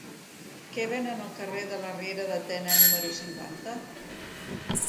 Què venen al carrer de la Riera de Tena número cinquanta?